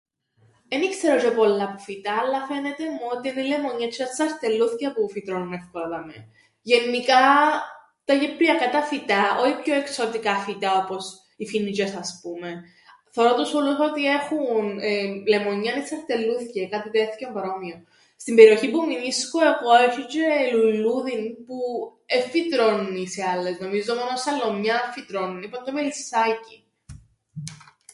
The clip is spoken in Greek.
Εν ι-ξέρω τζ̆αι πολλά φυτά, αλλά φαίνεται μου ότι εν' οι λεμονιές τζ̆αι τα τσαρτελλούθκια που φυτρώννουν εύκολα δαμαί, γεννικά τα κυπριακά τα φυτά όι πιο εξωτικά φυτά όπως οι φοινιτζ̆ιές, ας πούμεν, θωρώ τους ούλλους ότι έχουν εεε λεμονιάν ή τσαρτελλούθκια, κάτι τέθκοιον παρόμοιον. Στην περιοχήν που μεινίσκω εγώ έσ̆ει τζ̆αι λουλλούδιν που εν φυτρώννει σε άλλες νομίζω μόνον σε άλλο μιαν φυτρώννει, που εν' το μελισσάκιν.